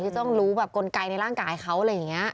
ที่จะต้องรู้กลไกลในร่างกายเขาอะไรอย่างนี้